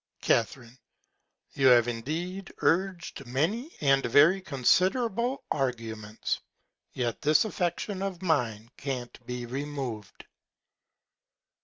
Ca. You have indeed urg'd many, and very considerable Arguments; yet this Affection of mine can't be removed.